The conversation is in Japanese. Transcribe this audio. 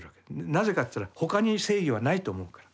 なぜかといったら他に正義はないと思うから。